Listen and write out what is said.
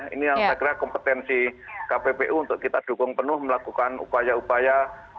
ini yang saya kira kompetensi kppu untuk kita dukung penuh melakukan upaya upaya